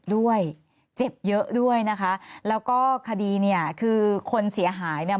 ด้วยเจ็บเยอะด้วยนะคะแล้วก็คดีเนี่ยคือคนเสียหายเนี่ย